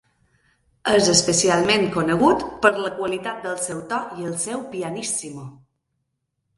És especialment conegut per la qualitat del seu to i el seu pianissimo.